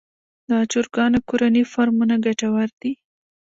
د چرګانو کورني فارمونه ګټور دي